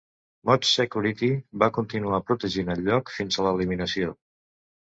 ModSecurity va continuar protegint el lloc fins a l'eliminació.